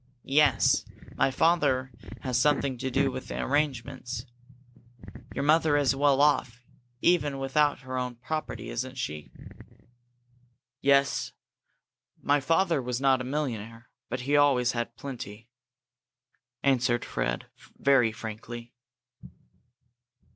"Yes. My father has had something to do with the arrangements. Your mother is well off, even without her own property, isn't she?" "Yes. My father was not a millionaire, but he always had plenty," answered Fred, very frankly.